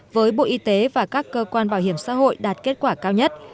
với bộ y tế và các cơ quan bảo hiểm xã hội đạt kết quả cao nhất